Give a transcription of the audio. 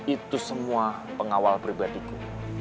itu semua pengawal pribatiku